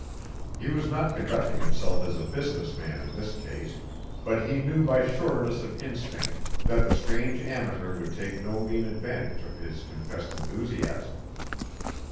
He was not conducting himself as a business man in this case, but he knew by sureness of instinct that the strange amateur would take no mean advantage of his confessed enthusiasm.